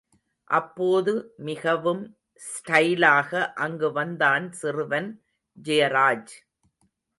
அப்போது மிகவும் ஸ்டைலாக அங்கு வந்தான் சிறுவன் ஜெயராஜ்.